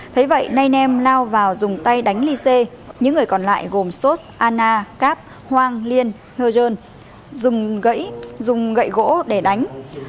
thế vậy ney nem lao vào dùng tay đánh lise những người còn lại gồm sos anna cap hoang lien heo jeon dùng gậy gỗ để đánh